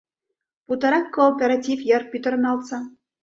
Путырак кооператив йыр пӱтырналтса.